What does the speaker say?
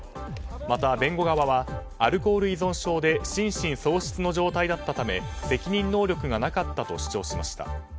また、弁護側はアルコール依存症で心神喪失の状態だったため責任能力がなかったと主張しました。